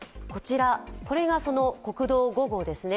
これが国道５号ですね。